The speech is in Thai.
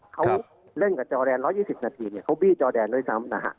เขาเล่นกับจอแดน๑๒๐นาทีเนี่ยเขาบี้จอแดนด้วยซ้ำนะฮะ